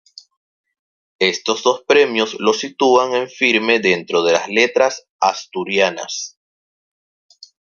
Estos dos premios lo sitúan en firme dentro de las letras asturianas.